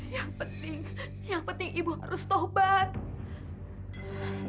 yang penting yang penting ibu harus taubat